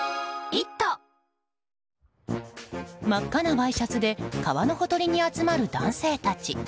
真っ赤なワイシャツで川のほとりに集まる男性たち。